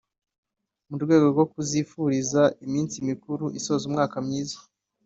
mu rwego rwo kuzifuriza iminsi mikuru isoza umwaka myiza